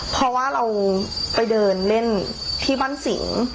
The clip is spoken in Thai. เพราะว่าเราไปเดินเล่นที่บ้านสิง